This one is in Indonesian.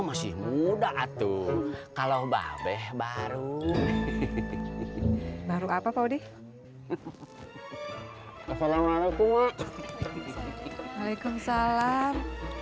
masih muda tuh kalau babes baru baru apa pak odi assalamualaikum waalaikumsalam